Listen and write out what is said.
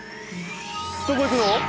どこ行くの？